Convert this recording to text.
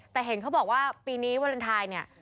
แต่เห็นเขาบอกว่าปีนี้วาเลนไทยเนี่ย